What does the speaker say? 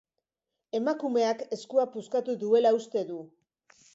Emakumeak eskua puskatu duela uste du.